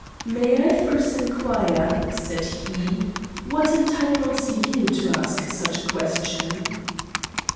"May I first inquire," said he, "what entitles you to ask such a question?"